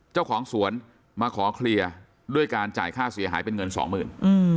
เจ้าของสวนมาขอเคลียร์ด้วยการจ่ายค่าเสียหายเป็นเงินสองหมื่น